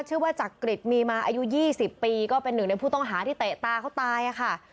ชื่อว่าจักริตมีมาอายุ๒๐ปีก็เป็นหนึ่งในผู้ต้องหาที่เตะตาเขาตายค่ะ